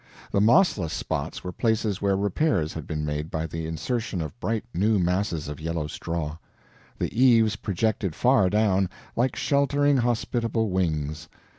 The mossless spots were places where repairs had been made by the insertion of bright new masses of yellow straw. The eaves projected far down, like sheltering, hospitable wings.